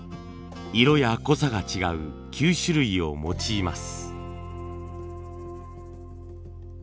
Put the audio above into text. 色や濃さが違う９種類を用います。